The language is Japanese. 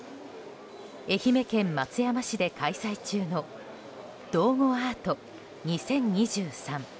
愛媛県松山市で開催中の道後アート２０２３。